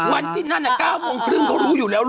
วันที่นั่น๙โมงครึ่งเขารู้อยู่แล้ว